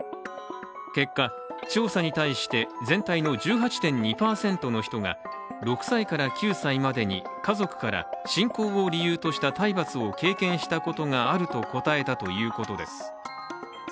結果、調査に対して全体の１８．２％の人が６歳から９歳までに家族から信仰を理由とした体罰を経験したことがあると答えたということです。